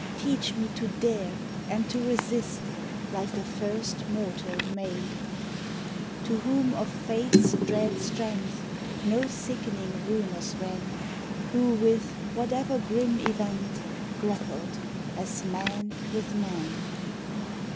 Teach me to dare and to resist Like the first mortal made, To whom of fate's dread strength No sickening rumors ran; Who with whatever grim event Grappled, as man with man.